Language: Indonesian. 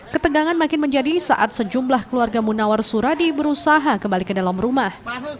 ketegangan makin menjadi saat sejumlah keluarga munawar suradi berusaha kembali ke dalam rumah